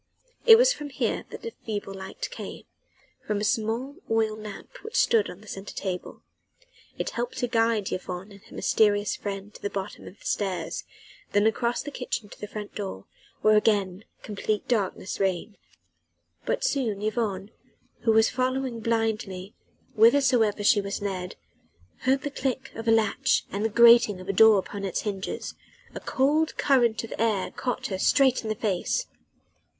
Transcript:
It was from here that the feeble light came from a small oil lamp which stood on the centre table. It helped to guide Yvonne and her mysterious friend to the bottom of the stairs, then across the kitchen to the front door, where again complete darkness reigned. But soon Yvonne who was following blindly whithersoever she was led heard the click of a latch and the grating of a door upon its hinges: a cold current of air caught her straight in the face.